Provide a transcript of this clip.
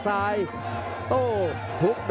กล้าเพชร